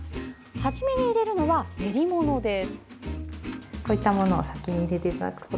初めに入れるのは、練り物です。